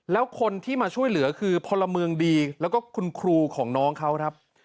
แล้วคนที่มาช่วยเหลือคือพลเมืองดีแล้วก็คุณครูของน้องเขาครับ